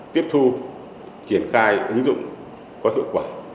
tiếp thu triển khai ứng dụng có hiệu quả